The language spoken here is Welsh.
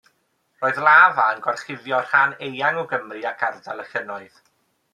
Roedd lafa yn gorchuddio rhan eang o Gymru ac Ardal y Llynnoedd.